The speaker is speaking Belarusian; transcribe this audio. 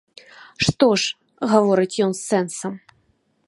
Што ж, гаворыць ён з сэнсам.